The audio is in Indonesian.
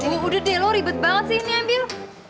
ini udah deh lo ribet banget sih ini ambil